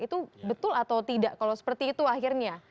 itu betul atau tidak kalau seperti itu akhirnya